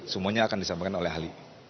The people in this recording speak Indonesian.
semuanya akan disampaikan oleh ahli